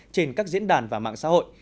trên các diễn đàn và mạng xã hội